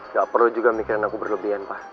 gak perlu juga mikirin aku berlebihan pak